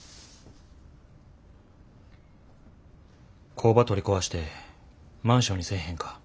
工場取り壊してマンションにせえへんか？